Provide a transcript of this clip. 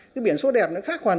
cái biển số đẹp nó khác quản lý